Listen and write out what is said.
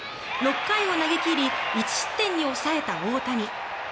６回を投げ切り１失点に抑えた大谷。